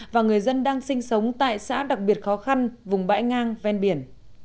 và người dân đang sinh sống tại xã đặc biệt khó khăn vùng bãi ngang ven biển